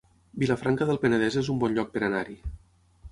Vilafranca del Penedès es un bon lloc per anar-hi